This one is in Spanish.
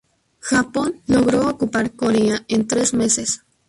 Japón logró ocupar Corea en tres meses.